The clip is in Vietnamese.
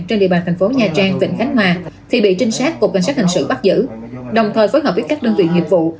trên địa bàn tp nha trang vịnh khánh hòa thì bị trinh sát cục cảnh sát hình sự bắt giữ đồng thời phối hợp với các đơn vị nhiệm vụ